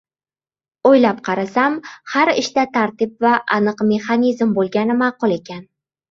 Oʻylab qarasam, har ishda tartib va aniq mexanizm boʻlgani maʼqul ekan.